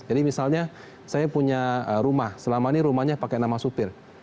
jadi misalnya saya punya rumah selama ini rumahnya pakai nama supir